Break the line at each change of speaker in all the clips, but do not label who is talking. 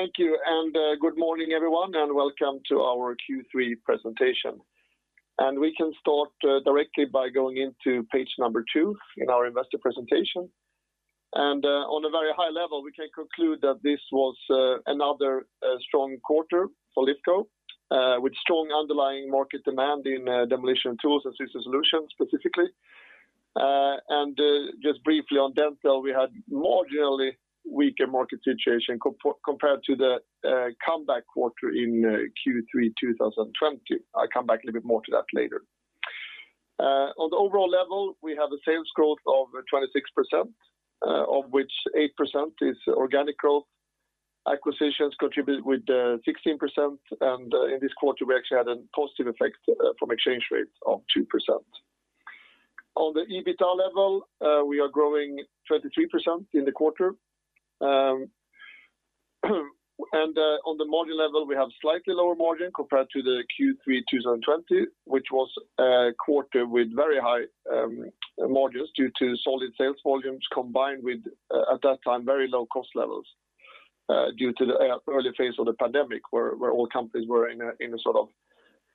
Thank you, good morning, everyone, and welcome to our Q3 presentation. We can start directly by going into page number 2 in our investor presentation. On a very high level, we can conclude that this was another strong quarter for Lifco, with strong underlying market demand in Demolition & Tools and Systems Solutions specifically. Just briefly on Dental, we had marginally weaker market situation compared to the comeback quarter in Q3 2020. I'll come back a little bit more to that later. On the overall level, we have a sales growth of 26%, of which 8% is organic growth. Acquisitions contribute with 16%, and in this quarter, we actually had a positive effect from exchange rates of 2%. On the EBITDA level, we are growing 23% in the quarter. On the margin level, we have slightly lower margin compared to the Q3 2020, which was a quarter with very high margins due to solid sales volumes, combined with, at that time, very low cost levels due to the early phase of the pandemic, where all companies were in a sort of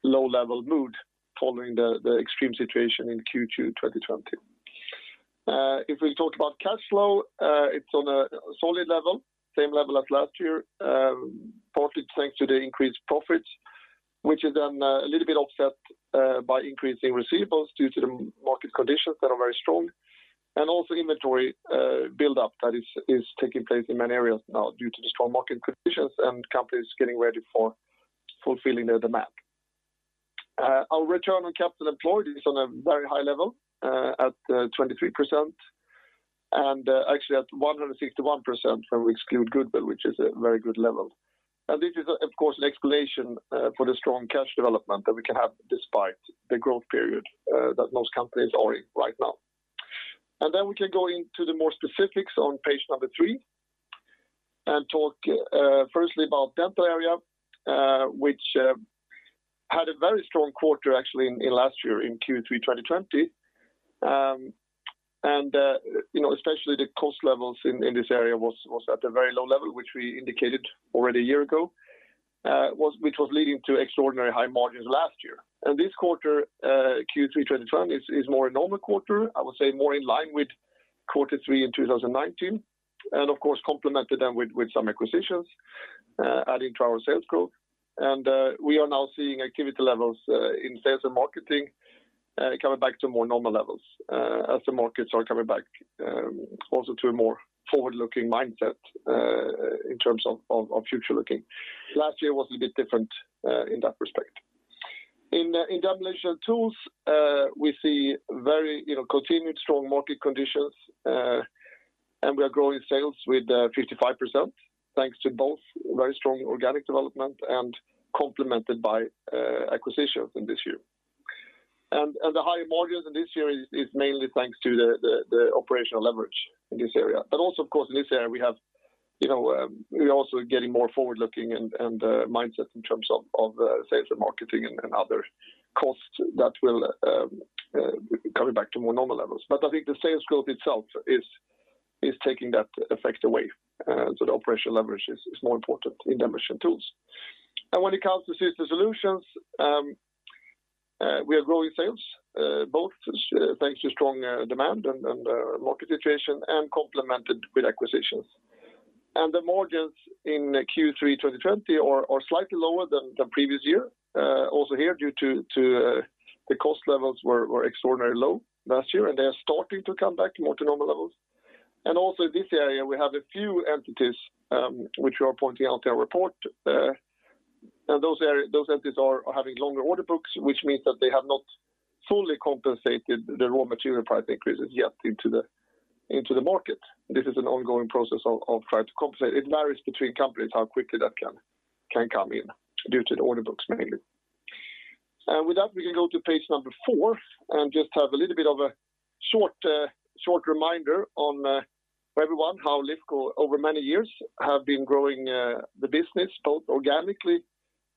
low-level mood following the extreme situation in Q2 2020. If we talk about cash flow, it's on a solid level, same level as last year, partly thanks to the increased profits, which is then a little bit offset by increasing receivables due to the market conditions that are very strong and also inventory build-up that is taking place in many areas now due to the strong market conditions and companies getting ready for fulfilling the demand. Our return on capital employed is on a very high level at 23%, and actually at 161% when we exclude goodwill, which is a very good level. This is, of course, an explanation for the strong cash development that we can have despite the growth period that most companies are in right now. We can go into the more specifics on page 3 and talk firstly about Dental, which had a very strong quarter actually in last year in Q3 2020. Especially the cost levels in this area was at a very low level, which we indicated already a year ago, which was leading to extraordinary high margins last year. This quarter, Q3 2021, is more a normal quarter, I would say more in line with quarter three in 2019 and, of course, complemented then with some acquisitions adding to our sales growth. We are now seeing activity levels in sales and marketing coming back to more normal levels as the markets are coming back also to a more forward-looking mindset in terms of future looking. Last year was a bit different in that respect. In Demolition & Tools, we see very continued strong market conditions, and we are growing sales with 55%, thanks to both very strong organic development and complemented by acquisitions in this year. The higher margins in this year is mainly thanks to the operational leverage in this area. Also, of course, in this area, we also are getting more forward-looking and mindset in terms of sales and marketing and other costs that will be coming back to more normal levels. I think the sales growth itself is taking that effect away. The operational leverage is more important in Demolition & Tools. When it comes to Systems Solutions, we are growing sales both thanks to strong demand and market situation and complemented with acquisitions. The margins in Q3 2020 are slightly lower than previous year, also here due to the cost levels were extraordinarily low last year, and they are starting to come back more to normal levels. Also in this area, we have a few entities, which we are pointing out in our report. Those entities are having longer order books, which means that they have not fully compensated the raw material price increases yet into the market. This is an ongoing process of trying to compensate. It varies between companies how quickly that can come in due to the order books mainly. With that, we can go to page number four and just have a little bit of a short reminder on everyone how Lifco over many years have been growing the business both organically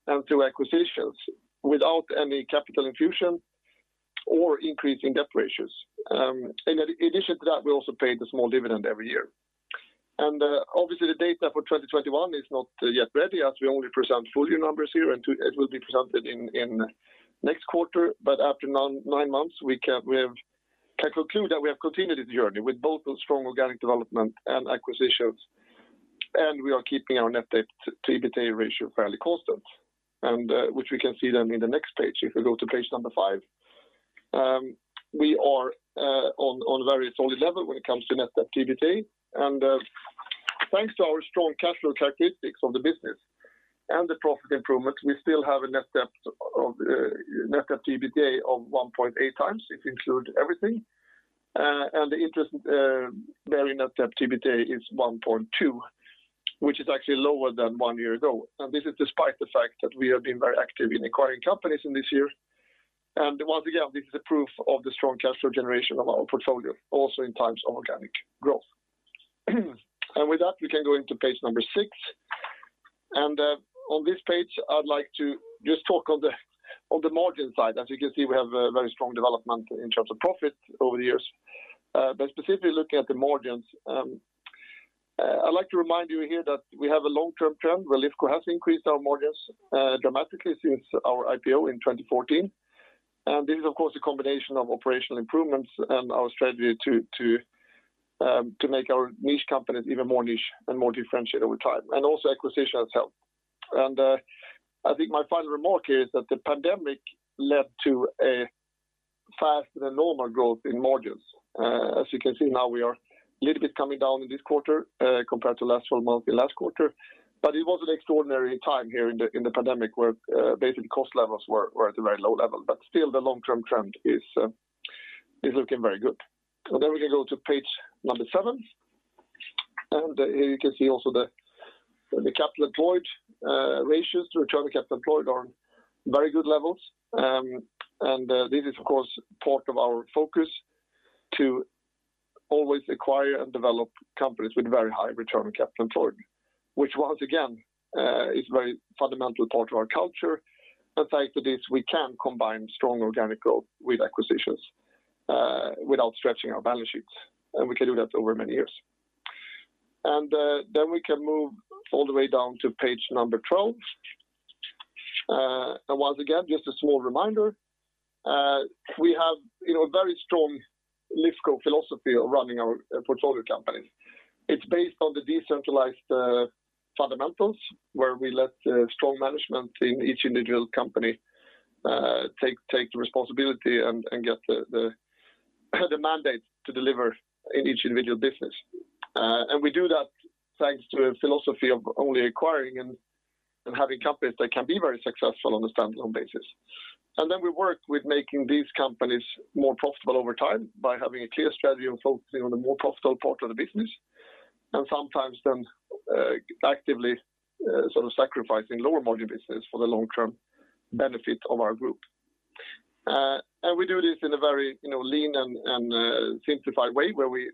and through acquisitions without any capital infusion or increase in debt ratios. In addition to that, we also paid a small dividend every year. Obviously the data for 2021 is not yet ready as we only present full year numbers here, and it will be presented in next quarter. After nine months, we can conclude that we have continued the journey with both a strong organic development and acquisitions, and we are keeping our net debt to EBITDA ratio fairly constant, which we can see then in the next page if we go to page number 5. We are on very solid level when it comes to net debt to EBITDA, and thanks to our strong cash flow characteristics of the business and the profit improvement, we still have a net debt to EBITDA of 1.8x if you include everything. The interest bearing net debt to EBITDA is 1.2x, which is actually lower than one year ago. This is despite the fact that we have been very active in acquiring companies in this year. Once again, this is a proof of the strong cash flow generation of our portfolio also in times of organic growth. With that, we can go into page number 6. On this page, I'd like to just talk on the margin side. As you can see, we have a very strong development in terms of profit over the years. Specifically looking at the margins, I'd like to remind you here that we have a long-term trend where Lifco has increased our margins dramatically since our IPO in 2014. This is, of course, a combination of operational improvements and our strategy to make our niche companies even more niche and more differentiated over time, and also acquisitions help. I think my final remark is that the pandemic led to a faster than normal growth in margins. As you can see now, we are a little bit coming down in this quarter compared to last 12 months in last quarter. It was an extraordinary time here in the pandemic where basically cost levels were at a very low level. Still the long-term trend is looking very good. We can go to page number 7. Here you can see also the capital employed ratios, return on capital employed are on very good levels. This is, of course, part of our focus to always acquire and develop companies with very high return on capital employed. Which once again is very fundamental part of our culture. Thanks to this, we can combine strong organic growth with acquisitions without stretching our balance sheets. We can do that over many years. Then we can move all the way down to page number 12. Once again, just a small reminder, we have a very strong Lifco philosophy of running our portfolio companies. It's based on the decentralized fundamentals, where we let strong management in each individual company take the responsibility and get the mandate to deliver in each individual business. We do that thanks to a philosophy of only acquiring and having companies that can be very successful on a standalone basis. Then we work with making these companies more profitable over time by having a clear strategy and focusing on the more profitable part of the business. Sometimes then actively sacrificing lower margin business for the long-term benefit of our group. We do this in a very lean and simplified way where we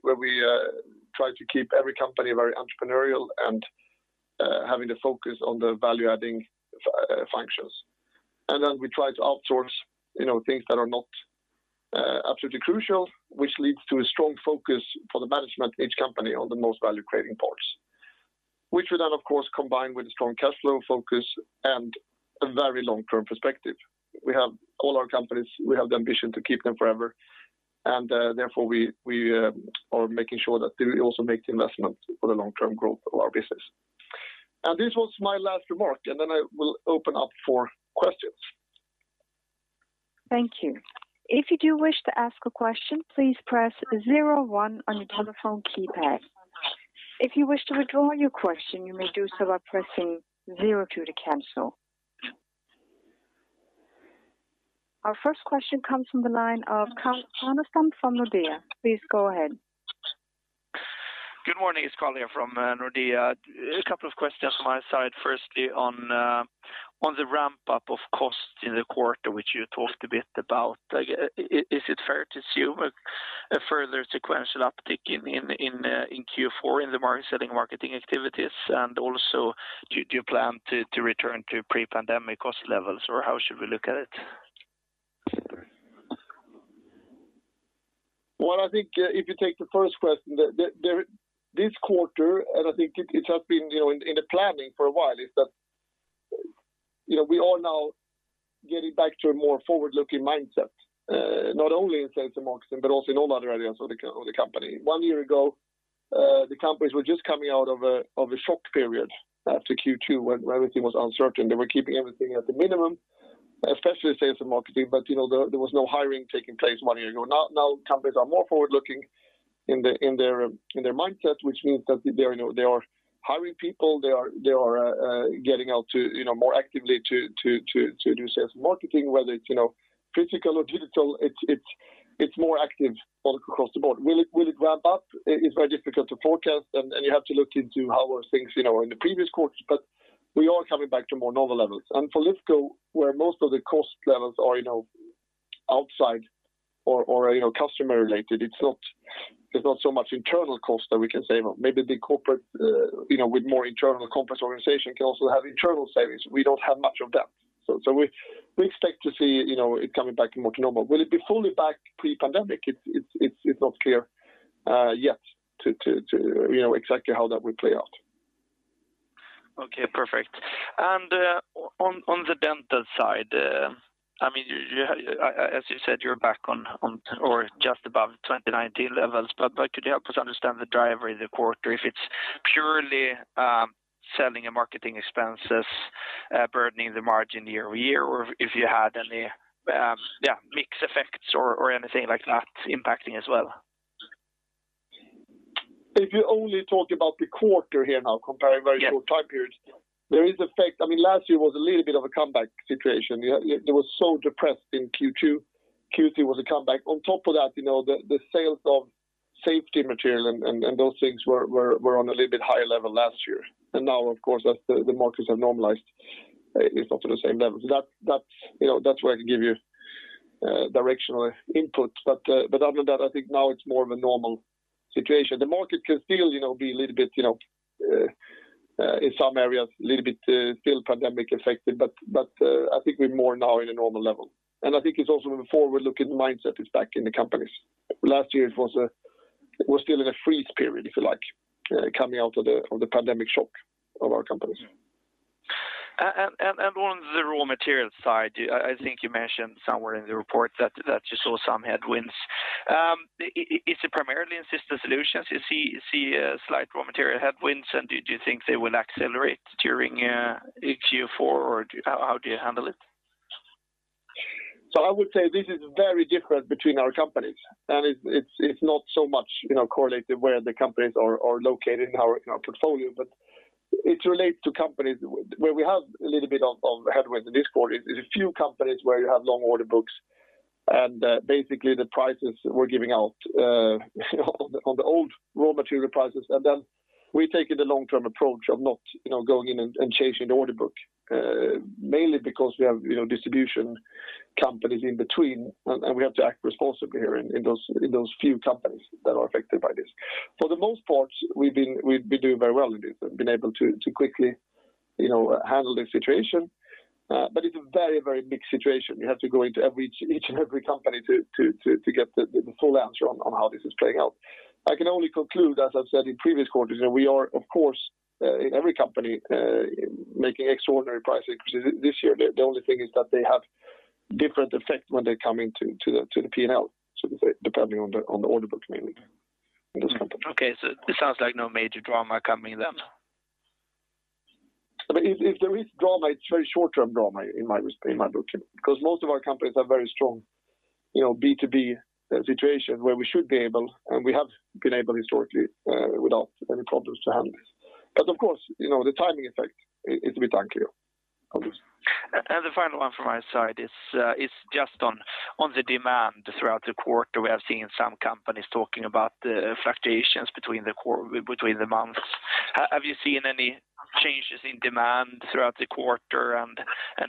try to keep every company very entrepreneurial and having the focus on the value-adding functions. Then we try to outsource things that are not absolutely crucial, which leads to a strong focus for the management of each company on the most value-creating parts. Which we then, of course, combine with a strong cash flow focus and a very long-term perspective. We have all our companies, we have the ambition to keep them forever. Therefore we are making sure that they also make the investment for the long-term growth of our business. This was my last remark, then I will open up for questions.
Thank you. If you do wish to ask a question, please press zero one on your telephone keypad. If you wish to withdraw your question, you may do so by pressing zero two to cancel. Our first question comes from the line of Carl Ragnerstam from Nordea. Please go ahead.
Good morning, it's Carl here from Nordea. A couple of questions from my side. Firstly, on the ramp-up of costs in the quarter, which you talked a bit about. Is it fair to assume a further sequential uptick in Q4 in the selling marketing activities? Do you plan to return to pre-pandemic cost levels, or how should we look at it?
Well, I think if you take the first question, this quarter, and I think it has been in the planning for a while, is that we are now getting back to a more forward-looking mindset. Not only in sales and marketing, but also in all other areas of the company. One year ago, the companies were just coming out of a shock period after Q2 when everything was uncertain. They were keeping everything at the minimum, especially sales and marketing, but there was no hiring taking place one year ago. Now companies are more forward-looking in their mindset, which means that they are hiring people, they are getting out more actively to do sales and marketing, whether it's physical or digital, it's more active all across the board. Will it ramp up? It's very difficult to forecast. You have to look into how were things in the previous quarters. We are coming back to more normal levels. For Lifco, where most of the cost levels are outside or customer related, there's not so much internal cost that we can save on. Maybe the corporate with more internal complex organization can also have internal savings. We don't have much of that. We expect to see it coming back more to normal. Will it be fully back pre-pandemic? It's not clear yet exactly how that will play out.
Okay, perfect. On the Dental side, as you said, you're back on or just above 2019 levels, but could you help us understand the driver of the quarter? If it's purely selling and marketing expenses burdening the margin year-over-year, or if you had any mix effects or anything like that impacting as well?
If you only talk about the quarter here now comparing very short time periods, there is effect. Last year was a little bit of a comeback situation. It was so depressed in Q2. Q3 was a comeback. On top of that, the sales of safety material and those things were on a little bit higher level last year. Now, of course, as the markets have normalized, it's not at the same level. That's where I can give you directional input. Other than that, I think now it's more of a normal situation. The market can still be a little bit, in some areas, a little bit still pandemic affected, but I think we're more now in a normal level. I think it's also the forward-looking mindset is back in the companies. Last year it was still in a freeze period, if you like, coming out of the pandemic shock of our companies.
On the raw material side, I think you mentioned somewhere in the report that you saw some headwinds. Is it primarily in Systems Solutions you see slight raw material headwinds, and do you think they will accelerate during Q4, or how do you handle it?
I would say this is very different between our companies, and it's not so much correlated where the companies are located in our portfolio, but it relates to companies where we have a little bit of headwinds in this quarter. It's a few companies where you have long order books and basically the prices we're giving out on the old raw material prices. We're taking the long-term approach of not going in and changing the order book. Mainly because we have distribution companies in between, and we have to act responsibly here in those few companies that are affected by this. For the most part, we've been doing very well in this and been able to quickly handle the situation. It's a very mixed situation. You have to go into each and every company to get the full answer on how this is playing out. I can only conclude, as I've said in previous quarters, that we are, of course, in every company, making extraordinary price increases this year. The only thing is that they have different effects when they come into the P&L, so to say, depending on the order book mainly in those companies.
Okay, it sounds like no major drama coming then.
If there is drama, it's very short-term drama in my booking, because most of our companies are very strong B2B situations where we should be able, and we have been able historically, without any problems to handle this. Of course, the timing effect is a bit unclear, obvious.
The final one from my side is just on the demand throughout the quarter. We have seen some companies talking about the fluctuations between the months. Have you seen any changes in demand throughout the quarter and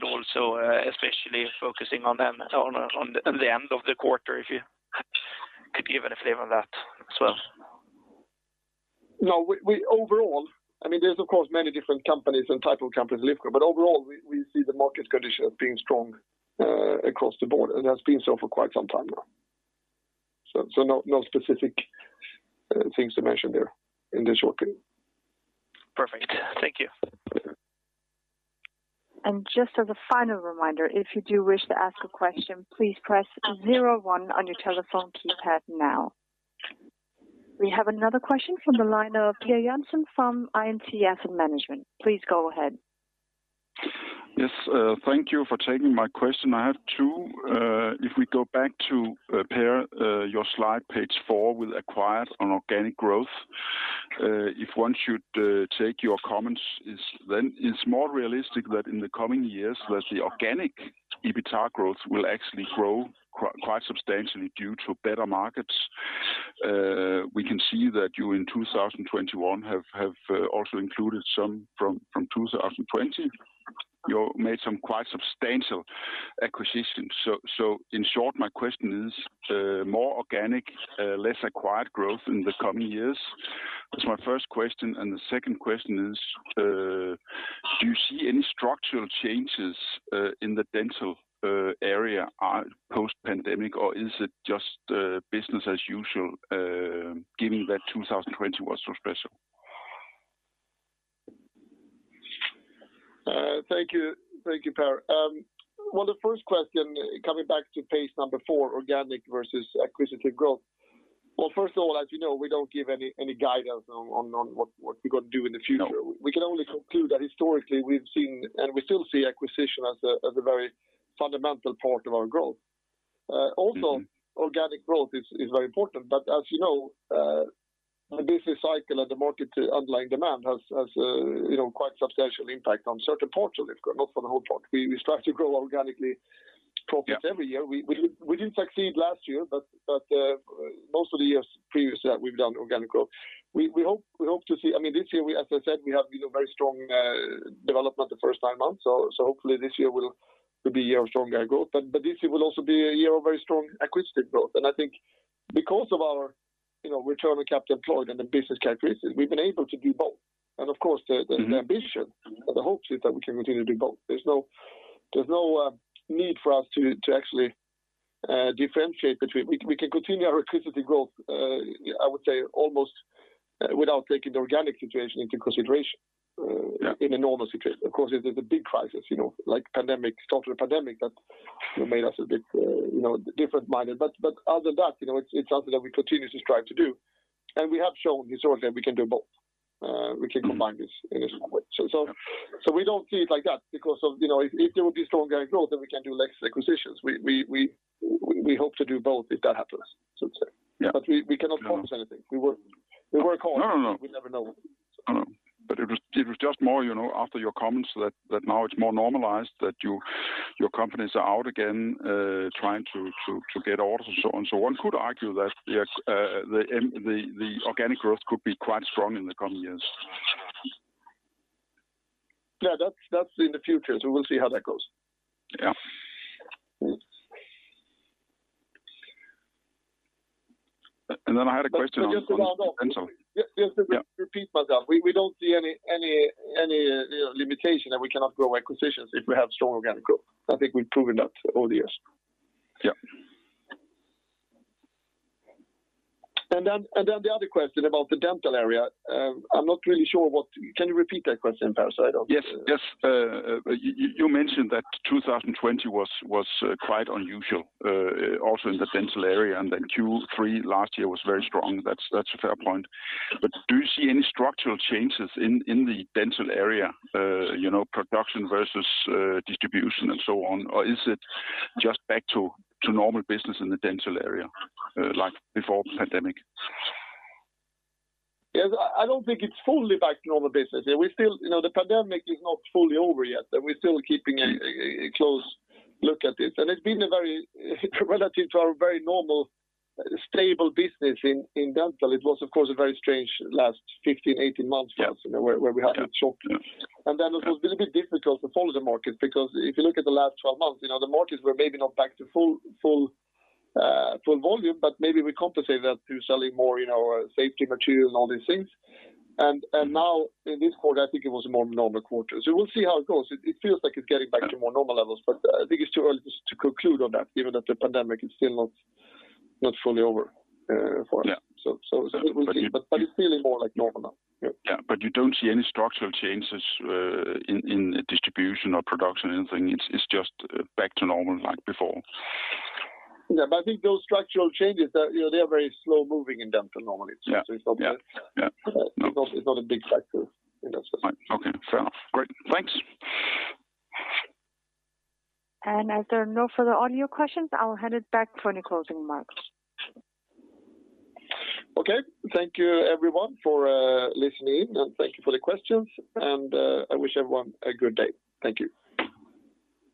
also especially focusing on the end of the quarter, if you could give a flavor on that as well?
No. There's of course many different companies and type of companies in Lifco, but overall, we see the market condition as being strong across the board, and that's been so for quite some time now. No specific things to mention there in this working.
Perfect. Thank you.
Just as a final reminder, if you do wish to ask a question, please press zero one on your telephone keypad now. We have another question from the line of [Per Jansson] from [INC Asset Management]. Please go ahead.
Yes, thank you for taking my question. I have two. If we go back to, Per, your slide, page 4, with acquired on organic growth. If one should take your comments, it's more realistic that in the coming years that the organic EBITA growth will actually grow quite substantially due to better markets. We can see that you in 2021 have also included some from 2020. You made some quite substantial acquisitions. In short, my question is, more organic, less acquired growth in the coming years? That's my first question. The second question is, do you see any structural changes in the Dental area post-pandemic, or is it just business as usual, given that 2020 was so special?
Thank you, Per. On the first question, coming back to page number four, organic versus acquisitive growth. Well, first of all, as you know, we don't give any guidance on what we're going to do in the future.
No.
We can only conclude that historically we've seen, and we still see acquisition as a very fundamental part of our growth. Also, organic growth is very important, but as you know the business cycle and the market underlying demand has quite substantial impact on certain parts of Lifco, not for the whole part. We strive to grow organically profits every year. We didn't succeed last year, but most of the years previously we've done organic growth. This year, as I said, we have seen a very strong development the first nine months, so hopefully this year will be a year of stronger growth. This year will also be a year of very strong acquisitive growth. I think because of our return on capital employed and the business characteristics, we've been able to do both. Of course, the ambition and the hope is that we can continue to do both. There's no need for us to actually differentiate between, we can continue our acquisitive growth, I would say, almost without taking the organic situation into consideration in a normal situation. Of course, if there's a big crisis, like pandemic, total pandemic that made us a bit different-minded. Other than that it's something that we continue to strive to do. We have shown historically that we can do both. We can combine this in a smart way. We don't see it like that because of if there will be strong organic growth, then we can do less acquisitions. We hope to do both if that happens, so to say.
Yeah.
We cannot promise anything. We work hard.
No
We never know.
No. It was just more, after your comments that now it's more normalized that your companies are out again, trying to get orders and so on. One could argue that the organic growth could be quite strong in the coming years.
Yeah, that's in the future. We will see how that goes.
Yeah. Then I had a question.
Just to follow up.
I'm sorry. Yeah.
Just to repeat myself, we don't see any limitation that we cannot grow acquisitions if we have strong organic growth. I think we've proven that over the years.
Yeah.
The other question about the Dental area, I'm not really sure. Can you repeat that question, Per?
Yes. You mentioned that 2020 was quite unusual, also in the Dental area, and that Q3 last year was very strong. That's a fair point. Do you see any structural changes in the Dental area, production versus distribution and so on? Is it just back to normal business in the Dental area, like before the pandemic?
Yes, I don't think it's fully back to normal business. The pandemic is not fully over yet, and we're still keeping a close look at it. It's been a very, relative to our very normal, stable business in Dental, it was, of course, a very strange last 15, 18 months for us.
Yeah
where we had the shock.
Yeah.
Then it was a little bit difficult to follow the market because if you look at the last 12 months, the markets were maybe not back to full volume, but maybe we compensate that through selling more safety material and all these things. Now, in this quarter, I think it was a more normal quarter. We'll see how it goes. It feels like it's getting back to more normal levels, but I think it's too early to conclude on that, given that the pandemic is still not fully over for us.
Yeah.
We'll see. It's feeling more like normal now. Yeah.
Yeah, you don't see any structural changes in distribution or production or anything. It's just back to normal like before?
Yeah, I think those structural changes, they are very slow-moving in Dental normally.
Yeah.
It's not a big factor in that sense.
Okay. Fair enough. Great. Thanks.
As there are no further audio questions, I'll hand it back for any closing remarks.
Okay. Thank you everyone for listening in, and thank you for the questions. I wish everyone a good day. Thank you.